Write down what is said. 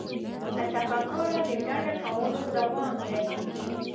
له تفکره د ډډه کولو دوام دی.